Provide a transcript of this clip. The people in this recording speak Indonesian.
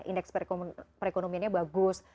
indeks perekonomiannya bagus